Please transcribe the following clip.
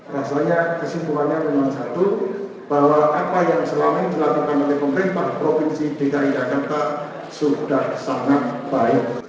rasanya kesimpulannya cuma satu bahwa apa yang selama ini dilakukan oleh pemerintah provinsi dki jakarta sudah sangat baik